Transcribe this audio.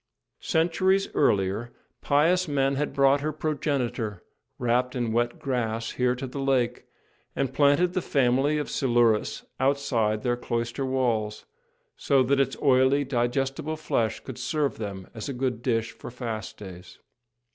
Centuries earlier, pious men had brought her progenitor, wrapped in wet grass, here to the lake, and planted the family of Silurus outside their cloister walls, so that its oily, digestible flesh could serve them as a good dish for fast days.